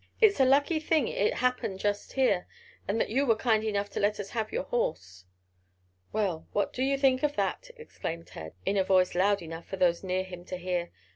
It's a lucky thing it happened just here, and that you are kind enough to let us have your horse." "Well what do you think of that!" exclaimed Ted, in a voice loud enough for those near him to hear.